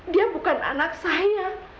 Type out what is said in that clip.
dia bukan anak saya